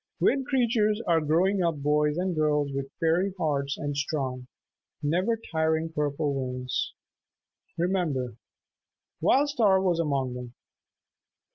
Wind Creatures are growing up boys and girls with fairy hearts and strong, never tiring purple wings, remember. Wild Star was among them.